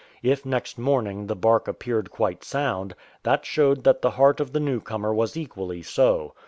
If next morning the bark appeared quite sound, that showed that the heart of the new comer was equally so.